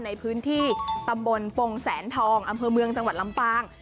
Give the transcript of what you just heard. ในพื้นที่ตำบลปงแสนทองอำเภอเมืองจังหวัดลำปาง